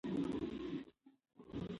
زه په موبايل کې نېټه ګورم.